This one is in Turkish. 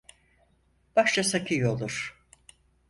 Başlasak iyi olur.